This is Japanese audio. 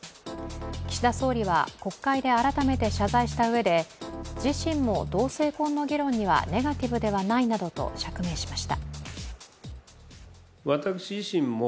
岸田総理は国会で改めて謝罪したうえで自身も同性婚の議論にはネガティブではないなどと釈明しました。